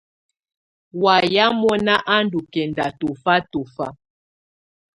Wayɛ̀á mɔ̀na á ndù kɛnda tɔ̀fa tɔ̀fa.